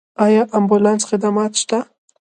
آیا امبولانس خدمات شته؟